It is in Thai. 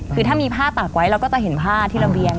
คือถ้ามีผ้าตากไว้เราก็จะเห็นผ้าที่ระเบียง